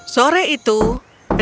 sore itu ada keadaan